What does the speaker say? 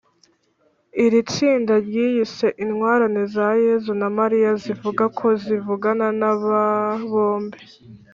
iri tsinda ryiyise intwarane za yezu na maria zivuga ko zivugana n’aba bombi